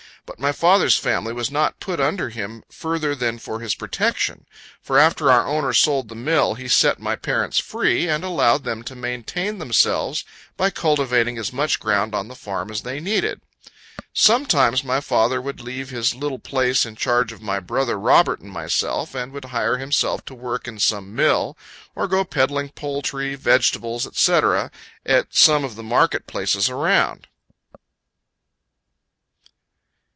But my father's family was not put under him further than for his protection; for after our owner sold the mill, he set my parents free, and allowed them to maintain themselves, by cultivating as much ground on the farm as they needed. Sometimes my father would leave his little place in charge of my brother Robert and myself, and would hire himself to work in some mill, or go peddling poultry, vegetables, &c., at some of the market places around.